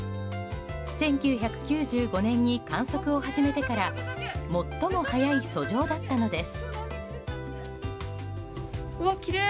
１９９５年に観測を始めてから最も早い遡上だったのです。